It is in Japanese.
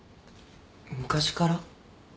昔から？